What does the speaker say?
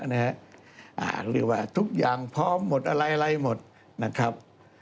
เรียกว่าทุกอย่างพร้อมหมดอะไรหมดนะครับ